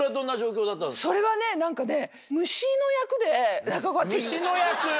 それはね何かね。